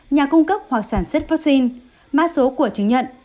nhà cung cấp hoặc sản xuất vaccine mã số của chứng nhận